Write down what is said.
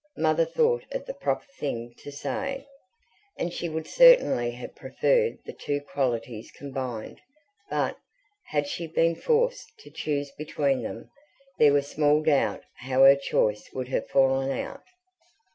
Mother thought it the proper thing to say, and she would certainly have preferred the two qualities combined; but, had she been forced to choose between them, there was small doubt how her choice would have fallen out.